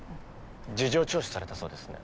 事情聴取されたそうですね。